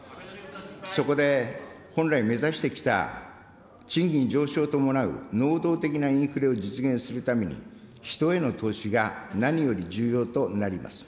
そこで、本来目指してきた賃金上昇を伴う能動的なインフレを実現するために、人への投資が何より重要となります。